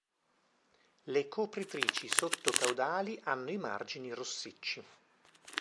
Le copritrici sotto-caudali hanno i margini rossicci.